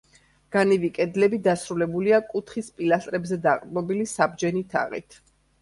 განივი კედლები დასრულებულია კუთხის პილასტრებზე დაყრდნობილი საბჯენი თაღით.